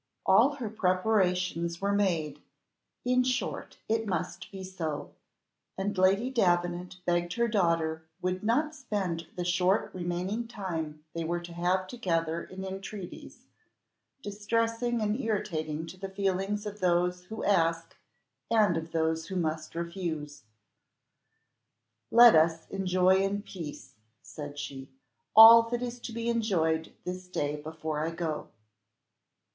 All her preparations were made in short, it must be so, and Lady Davenant begged her daughter would not spend the short remaining time they were to have together in entreaties, distressing and irritating to the feelings of those who ask and of those who must refuse. "Let us enjoy in peace," said she, "all that is to be enjoyed this day before I go."